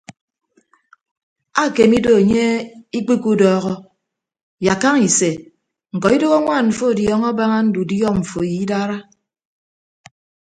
Akeme ido anye ikpiku udọọhọ yak kaña ise ñkọ idoho añwaan mfọ ọdiọñọ abaña ndudiọ mfo ye idara.